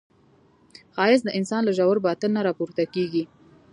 ښایست د انسان له ژور باطن نه راپورته کېږي